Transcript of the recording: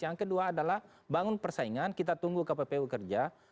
yang kedua adalah bangun persaingan kita tunggu kppu kerja